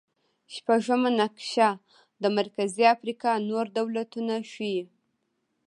شپږمه نقشه د مرکزي افریقا نور دولتونه ښيي.